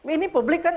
ini publik kan